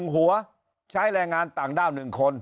๑หัวใช้แรงงานต่างด้าว๑คน